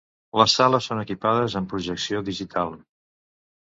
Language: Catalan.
Les sales són equipades amb projecció digital.